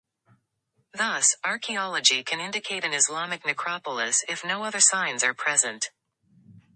Thus, archaeology can indicate an Islamic necropolis if no other signs are present.